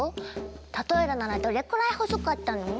例えるならどれくらい細かったの？